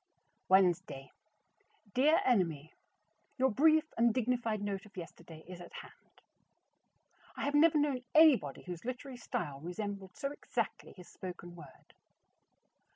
Wednesday. Dear Enemy: Your brief and dignified note of yesterday is at hand. I have never known anybody whose literary style resembled so exactly his spoken word.